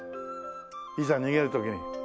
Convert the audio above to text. いざ逃げる時に。